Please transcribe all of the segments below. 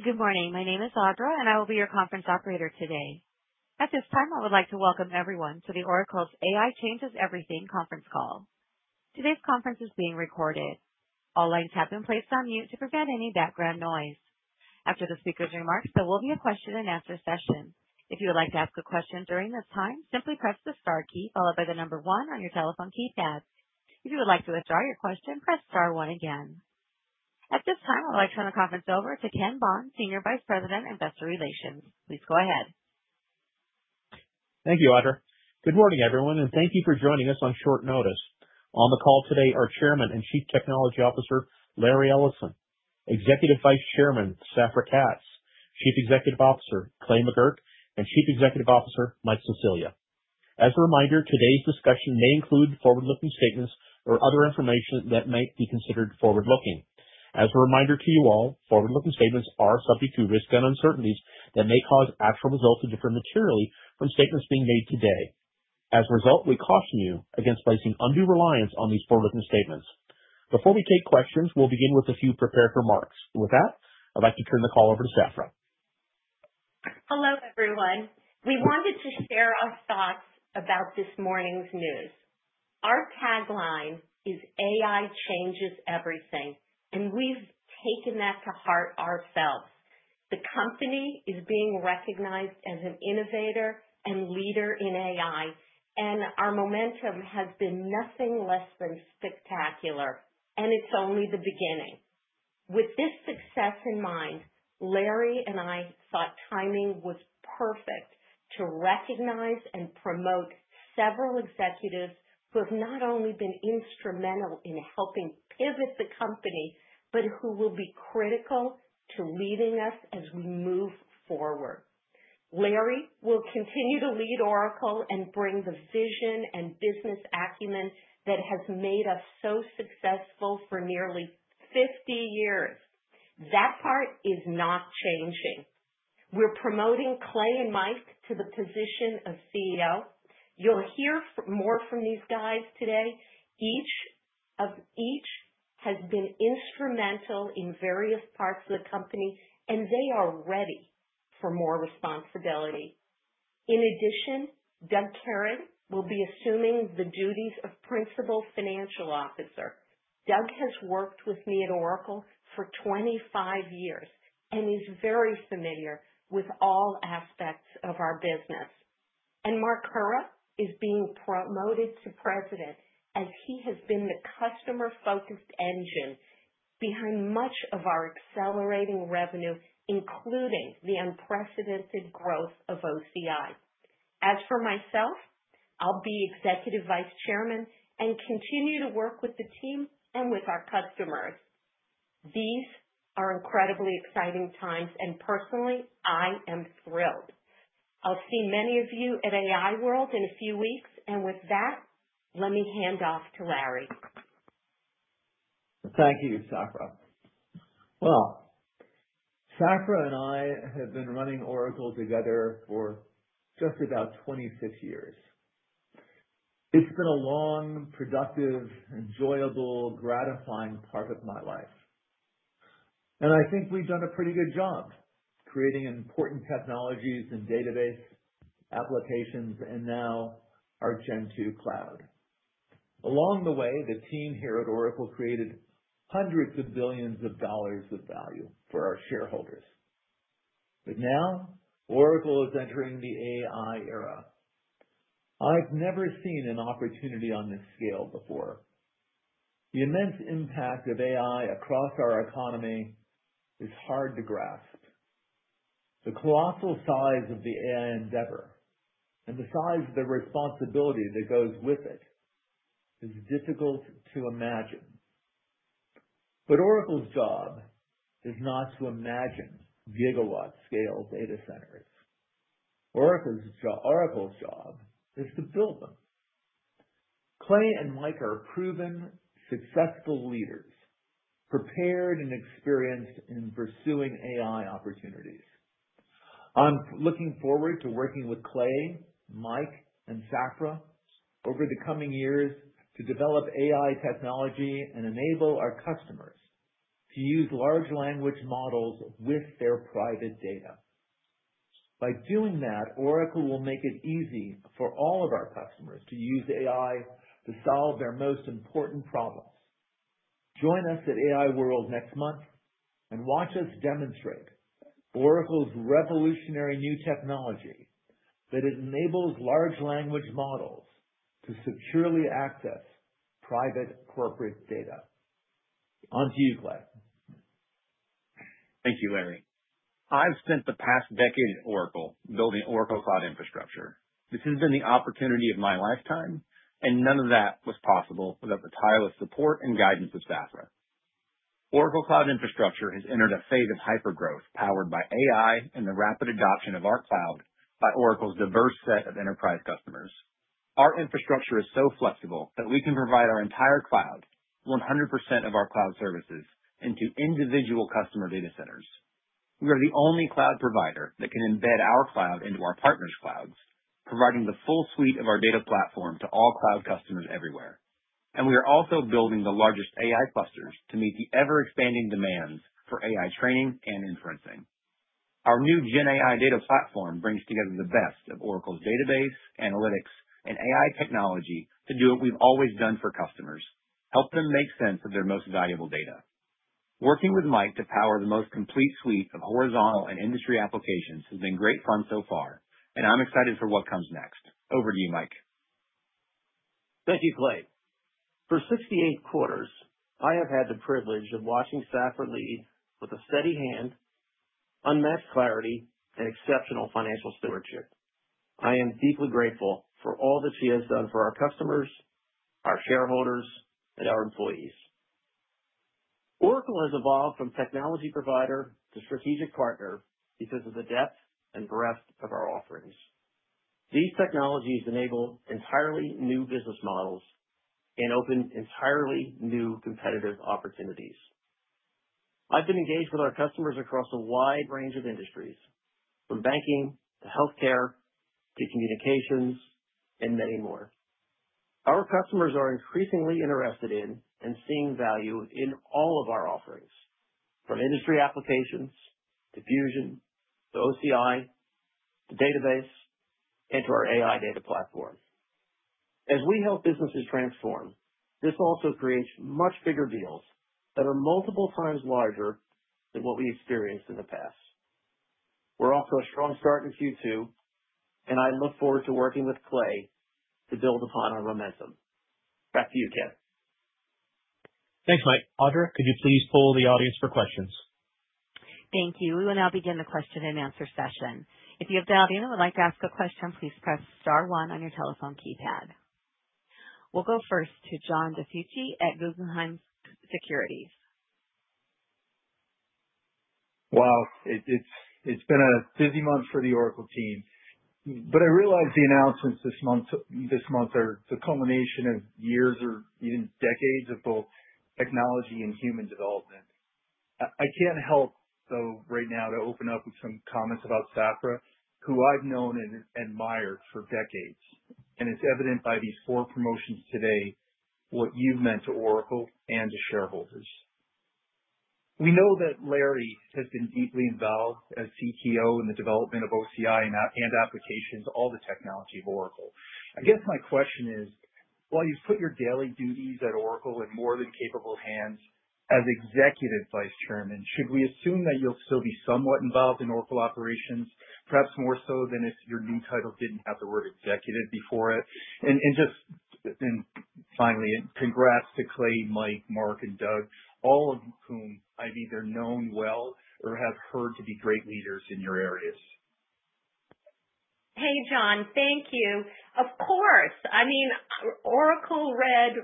Good morning. My name is Audra, and I will be your conference operator today. At this time, I would like to welcome everyone to the Oracle's AI Changes Everything conference call. Today's conference is being recorded. All lines have been placed on mute to prevent any background noise. After the speaker's remarks, there will be a question-and-answer session. If you would like to ask a question during this time, simply press the star key followed by the number one on your telephone keypad. If you would like to withdraw your question, press star one again. At this time, I would like to turn the conference over to Ken Bond, Senior Vice President, Investor Relations. Please go ahead. Thank you, Audra. Good morning, everyone, and thank you for joining us on short notice. On the call today are Chairman and Chief Technology Officer Larry Ellison, Executive Vice Chairman Safra Catz, Chief Executive Officer Clay Magouyrk, and Chief Executive Officer Mike Sicilia. As a reminder, today's discussion may include forward-looking statements or other information that might be considered forward-looking. As a reminder to you all, forward-looking statements are subject to risk and uncertainties that may cause actual results to differ materially from statements being made today. As a result, we caution you against placing undue reliance on these forward-looking statements. Before we take questions, we'll begin with a few prepared remarks. With that, I'd like to turn the call over to Safra. Hello, everyone. We wanted to share our thoughts about this morning's news. Our tagline is, "AI changes everything," and we've taken that to heart ourselves. The company is being recognized as an innovator and leader in AI, and our momentum has been nothing less than spectacular, and it's only the beginning. With this success in mind, Larry and I thought timing was perfect to recognize and promote several executives who have not only been instrumental in helping pivot the company, but who will be critical to leading us as we move forward. Larry will continue to lead Oracle and bring the vision and business acumen that has made us so successful for nearly 50 years. That part is not changing. We're promoting Clay and Mike to the position of CEO. You'll hear more from these guys today. Each of them has been instrumental in various parts of the company, and they are ready for more responsibility. In addition, Doug Kehring will be assuming the duties of Principal Financial Officer. Doug has worked with me at Oracle for 25 years and is very familiar with all aspects of our business, and Mark Hura is being promoted to President as he has been the customer-focused engine behind much of our accelerating revenue, including the unprecedented growth of OCI. As for myself, I'll be Executive Vice Chairman and continue to work with the team and with our customers. These are incredibly exciting times, and personally, I am thrilled. I'll see many of you at AI World in a few weeks, and with that, let me hand off to Larry. Thank you, Safra. Well, Safra and I have been running Oracle together for just about 26 years. It's been a long, productive, enjoyable, gratifying part of my life. And I think we've done a pretty good job creating important technologies and database applications, and now our Gen 2 Cloud. Along the way, the team here at Oracle created hundreds of billions of dollars of value for our shareholders. But now, Oracle is entering the AI era. I've never seen an opportunity on this scale before. The immense impact of AI across our economy is hard to grasp. The colossal size of the AI endeavor and the size of the responsibility that goes with it is difficult to imagine. But Oracle's job is not to imagine gigawatt-scale data centers. Oracle's job is to build them. Clay and Mike are proven successful leaders, prepared and experienced in pursuing AI opportunities. I'm looking forward to working with Clay, Mike, and Safra over the coming years to develop AI technology and enable our customers to use large language models with their private data. By doing that, Oracle will make it easy for all of our customers to use AI to solve their most important problems. Join us at AI World next month and watch us demonstrate Oracle's revolutionary new technology that enables large language models to securely access private corporate data. On to you, Clay. Thank you, Larry. I've spent the past decade at Oracle building Oracle Cloud Infrastructure. This has been the opportunity of my lifetime, and none of that was possible without the tireless support and guidance of Safra. Oracle Cloud Infrastructure has entered a phase of hypergrowth powered by AI and the rapid adoption of our cloud by Oracle's diverse set of enterprise customers. Our infrastructure is so flexible that we can provide our entire cloud, 100% of our cloud services, into individual customer data centers. We are the only cloud provider that can embed our cloud into our partners' clouds, providing the full suite of our data platform to all cloud customers everywhere, and we are also building the largest AI clusters to meet the ever-expanding demands for AI training and inferencing. Our new GenAI data platform brings together the best of Oracle's database, analytics, and AI technology to do what we've always done for customers: help them make sense of their most valuable data. Working with Mike to power the most complete suite of horizontal and industry applications has been great fun so far, and I'm excited for what comes next. Over to you, Mike. Thank you, Clay. For 68 quarters, I have had the privilege of watching Safra lead with a steady hand, unmatched clarity, and exceptional financial stewardship. I am deeply grateful for all that she has done for our customers, our shareholders, and our employees. Oracle has evolved from technology provider to strategic partner because of the depth and breadth of our offerings. These technologies enable entirely new business models and open entirely new competitive opportunities. I've been engaged with our customers across a wide range of industries, from banking to health care to communications and many more. Our customers are increasingly interested in and seeing value in all of our offerings, from industry applications to Fusion to OCI to Database and to our AI Data Platform. As we help businesses transform, this also creates much bigger deals that are multiple times larger than what we experienced in the past. We're off to a strong start in Q2, and I look forward to working with Clay to build upon our momentum. Back to you, Ken. Thanks, Mike. Audra, could you please poll the audience for questions? Thank you. We will now begin the question and answer session. If you have dialed in and would like to ask a question, please press star one on your telephone keypad. We'll go first to John DiFucci at Guggenheim Securities. Wow, it's been a busy month for the Oracle team. But I realize the announcements this month are the culmination of years or even decades of both technology and human development. I can't help, though, right now to open up with some comments about Safra, who I've known and admired for decades. And it's evident by these four promotions today what you've meant to Oracle and to shareholders. We know that Larry has been deeply involved as CTO in the development of OCI and applications, all the technology of Oracle. I guess my question is, while you've put your daily duties at Oracle in more than capable hands as Executive Vice Chairman, should we assume that you'll still be somewhat involved in Oracle operations, perhaps more so than if your new title didn't have the word executive before it? Just finally, congrats to Clay, Mike, Mark, and Doug, all of whom I've either known well or have heard to be great leaders in your areas. Hey, John, thank you. Of course. I mean, Oracle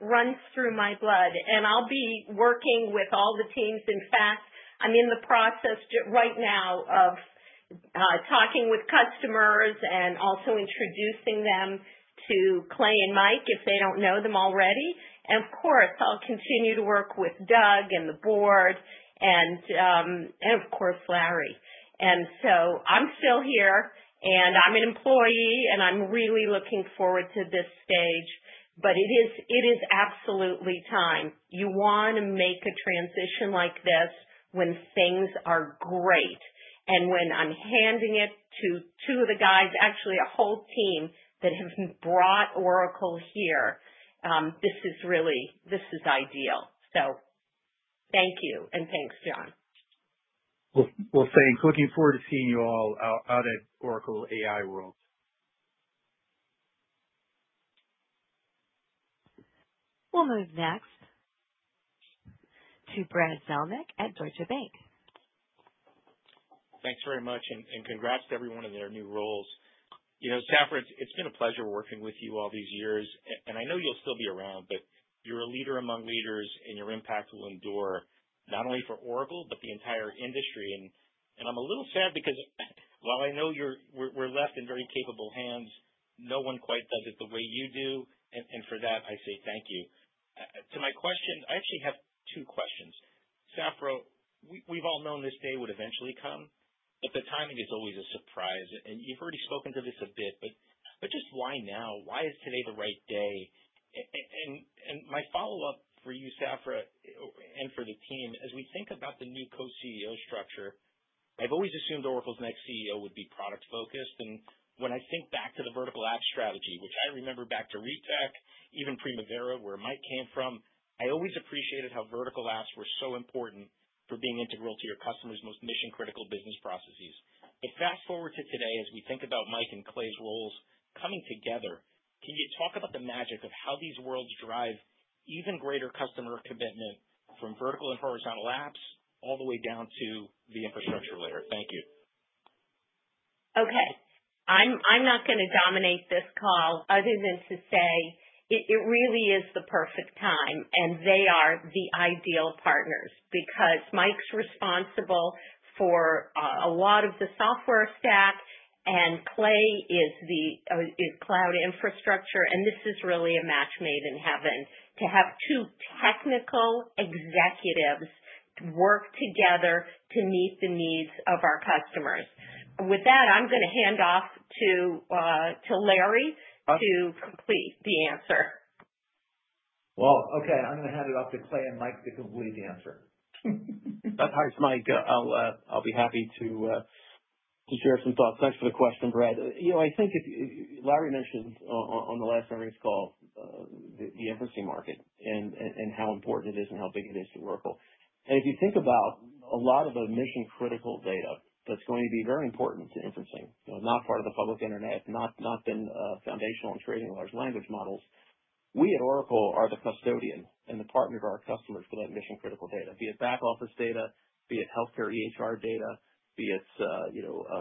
runs through my blood, and I'll be working with all the teams. In fact, I'm in the process right now of talking with customers and also introducing them to Clay and Mike if they don't know them already, and of course, I'll continue to work with Doug and the Board and, of course, Larry, and so I'm still here, and I'm an employee, and I'm really looking forward to this stage. But it is absolutely time. You want to make a transition like this when things are great, and when I'm handing it to two of the guys, actually a whole team that have brought Oracle here, this is ideal, so thank you, and thanks, John. Thanks. Looking forward to seeing you all out at Oracle AI World. We'll move next to Brad Zelnick at Deutsche Bank. Thanks very much, and congrats to everyone in their new roles. Safra, it's been a pleasure working with you all these years, and I know you'll still be around, but you're a leader among leaders, and your impact will endure not only for Oracle but the entire industry, and I'm a little sad because while I know we're left in very capable hands, no one quite does it the way you do, and for that, I say thank you. To my question, I actually have two questions. Safra, we've all known this day would eventually come, but the timing is always a surprise, and you've already spoken to this a bit, but just why now? Why is today the right day, and my follow-up for you, Safra, and for the team, as we think about the new co-CEO structure, I've always assumed Oracle's next CEO would be product-focused. And when I think back to the vertical apps strategy, which I remember back to Retek, even Primavera, where Mike came from, I always appreciated how vertical apps were so important for being integral to your customers' most mission-critical business processes. But fast forward to today as we think about Mike and Clay's roles coming together, can you talk about the magic of how these worlds drive even greater customer commitment from vertical and horizontal apps all the way down to the infrastructure layer? Thank you. Okay. I'm not going to dominate this call other than to say it really is the perfect time, and they are the ideal partners because Mike's responsible for a lot of the software stack, and Clay is cloud infrastructure, and this is really a match made in heaven to have two technical executives work together to meet the needs of our customers. With that, I'm going to hand off to Larry to complete the answer. Okay. I'm going to hand it off to Clay and Mike to complete the answer. Hi, Mike. I'll be happy to share some thoughts. Thanks for the question, Brad. I think Larry mentioned on the last earnings call the inferencing market and how important it is and how big it is to Oracle, and if you think about a lot of the mission-critical data that's going to be very important to inferencing, not part of the public internet, not been foundational in creating large language models, we at Oracle are the custodian and the partner to our customers for that mission-critical data, be it back office data, be it health care EHR data, be it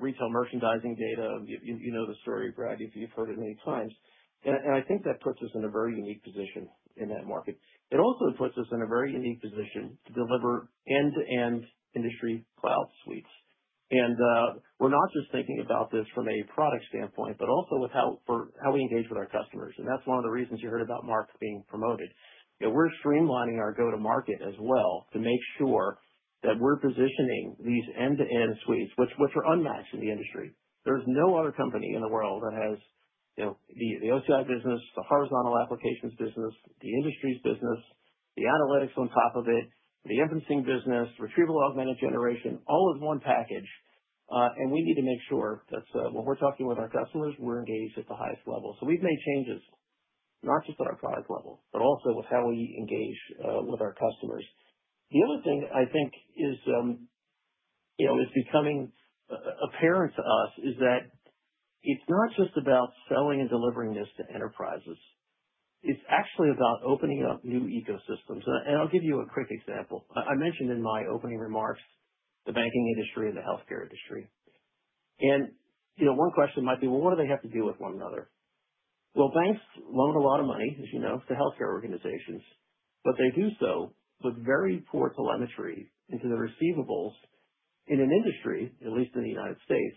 retail merchandising data. You know the story, Brad. You've heard it many times, and I think that puts us in a very unique position in that market. It also puts us in a very unique position to deliver end-to-end industry cloud suites. And we're not just thinking about this from a product standpoint, but also for how we engage with our customers. And that's one of the reasons you heard about Mark being promoted. We're streamlining our go-to-market as well to make sure that we're positioning these end-to-end suites, which are unmatched in the industry. There is no other company in the world that has the OCI business, the horizontal applications business, the industries business, the analytics on top of it, the inferencing business, retrieval augmented generation, all as one package. And we need to make sure that when we're talking with our customers, we're engaged at the highest level. So we've made changes not just at our product level, but also with how we engage with our customers. The other thing I think is becoming apparent to us is that it's not just about selling and delivering this to enterprises. It's actually about opening up new ecosystems, and I'll give you a quick example. I mentioned in my opening remarks the banking industry and the health care industry. One question might be, well, what do they have to do with one another? Well, banks loan a lot of money, as you know, to health care organizations, but they do so with very poor telemetry into the receivables in an industry, at least in the United States,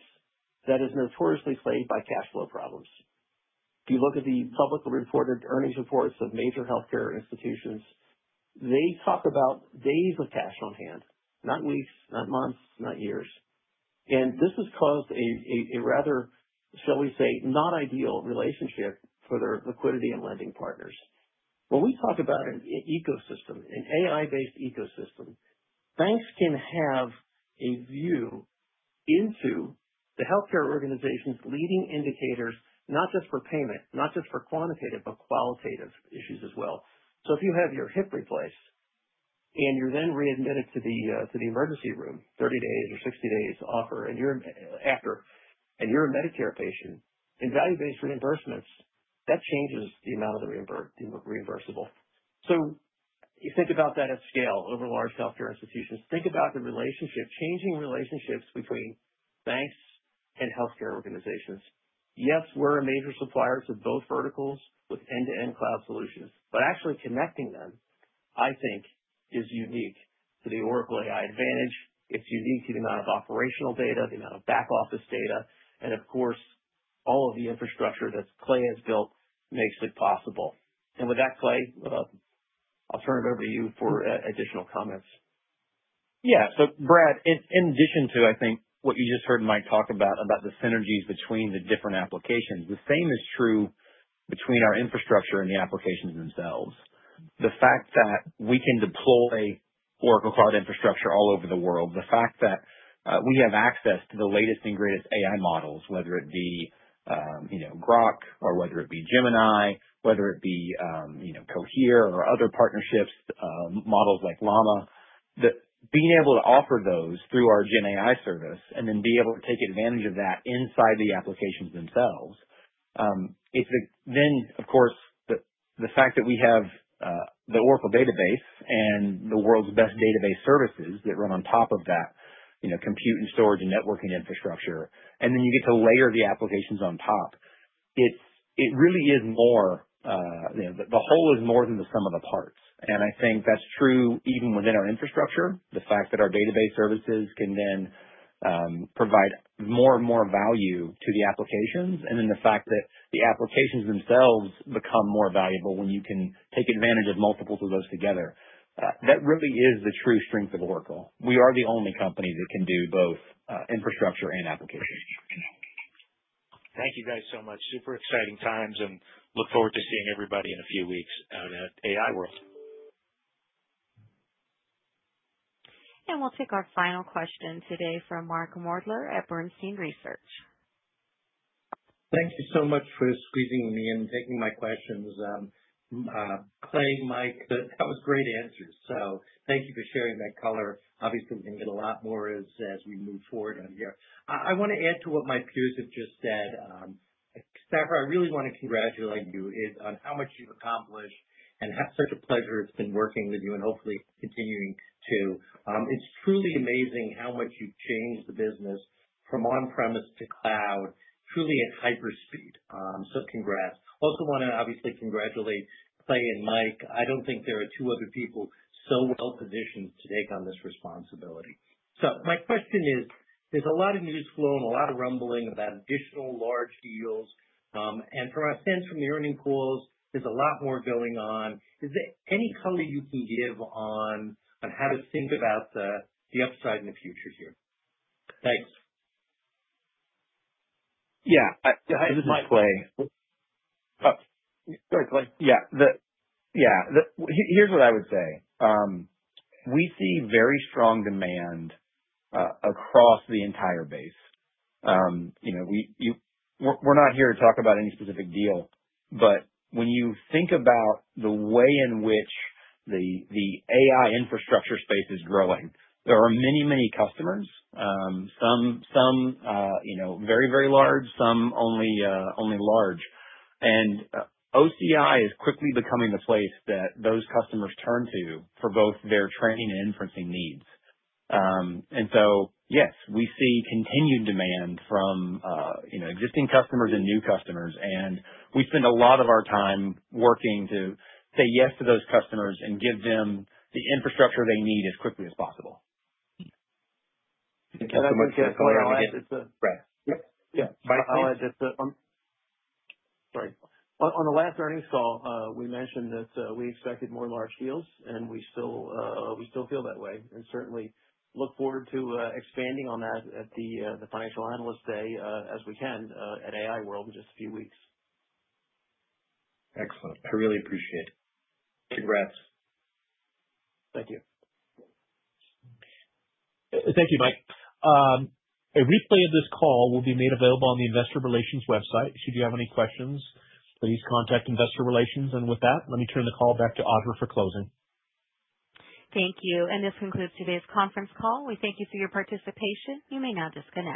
that is notoriously plagued by cash flow problems. If you look at the publicly reported earnings reports of major health care institutions, they talk about days of cash on hand, not weeks, not months, not years. This has caused a rather, shall we say, not ideal relationship for their liquidity and lending partners. When we talk about an ecosystem, an AI-based ecosystem, banks can have a view into the health care organization's leading indicators, not just for payment, not just for quantitative, but qualitative issues as well. So if you have your hip replaced and you're then readmitted to the emergency room, 30 days or 60 days after, and you're a Medicare patient in value-based reimbursements, that changes the amount of the reimbursable. So you think about that at scale over large health care institutions. Think about the relationship, changing relationships between banks and health care organizations. Yes, we're a major supplier to both verticals with end-to-end cloud solutions. But actually connecting them, I think, is unique to the Oracle AI advantage. It's unique to the amount of operational data, the amount of back office data, and of course, all of the infrastructure that Clay has built makes it possible. And with that, Clay, I'll turn it over to you for additional comments. Yeah. So Brad, in addition to, I think, what you just heard Mike talk about, about the synergies between the different applications, the same is true between our infrastructure and the applications themselves. The fact that we can deploy Oracle Cloud Infrastructure all over the world, the fact that we have access to the latest and greatest AI models, whether it be Grok or whether it be Gemini, whether it be Cohere or other partnerships, models like Llama, being able to offer those through our GenAI service and then be able to take advantage of that inside the applications themselves. It's then, of course, the fact that we have the Oracle Database and the world's best database services that run on top of that compute and storage and networking infrastructure, and then you get to layer the applications on top. It really is more, the whole is more than the sum of the parts. And I think that's true even within our infrastructure, the fact that our database services can then provide more and more value to the applications, and then the fact that the applications themselves become more valuable when you can take advantage of multiples of those together. That really is the true strength of Oracle. We are the only company that can do both infrastructure and applications. Thank you guys so much. Super exciting times, and look forward to seeing everybody in a few weeks out at AI World. We'll take our final question today from Mark Moerdler at Bernstein Research. Thank you so much for squeezing in and taking my questions. Clay, Mike. That was great answers. So thank you for sharing that color. Obviously, we can get a lot more as we move forward on here. I want to add to what my peers have just said. Safra, I really want to congratulate you on how much you've accomplished and such a pleasure it's been working with you and hopefully continuing to. It's truly amazing how much you've changed the business from on-premise to cloud, truly at hyper speed. So congrats. Also want to obviously congratulate Clay and Mike. I don't think there are two other people so well positioned to take on this responsibility. So my question is, there's a lot of news flow and a lot of rumbling about additional large deals. And from our sense, from the earnings calls, there's a lot more going on. Is there any color you can give on how to think about the upside in the future here? Thanks. Yeah. This is Clay. Sorry, Clay. Yeah. Yeah. Here's what I would say. We see very strong demand across the entire base. We're not here to talk about any specific deal, but when you think about the way in which the AI infrastructure space is growing, there are many, many customers, some very, very large, some only large. And OCI is quickly becoming the place that those customers turn to for both their training and inferencing needs. And so, yes, we see continued demand from existing customers and new customers. And we spend a lot of our time working to say yes to those customers and give them the infrastructure they need as quickly as possible. Thank you so much, Clay. My apologies. Sorry. On the last earnings call, we mentioned that we expected more large deals, and we still feel that way, and certainly look forward to expanding on that at the Financial Analyst Day as we can at AI World in just a few weeks. Excellent. I really appreciate it. Thank you, Mike. A replay of this call will be made available on the Investor Relations website. Should you have any questions, please contact Investor Relations, and with that, let me turn the call back to Audra for closing. Thank you. And this concludes today's conference call. We thank you for your participation. You may now disconnect.